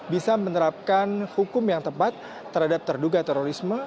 bisa menerapkan hukum yang tepat terhadap terduga terorisme